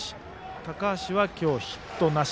高橋は今日ヒットなし。